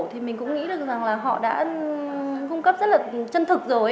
thì mình cũng nghĩ được rằng là họ đã cung cấp rất là chân thực rồi